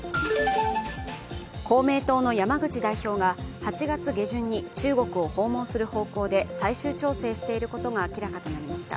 公明党の山口代表が８月下旬に中国を訪問する方向で最終調整していることが明らかとなりました。